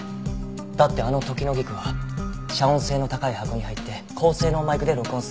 だってあのトキノギクは遮音性の高い箱に入って高性能マイクで録音されていた。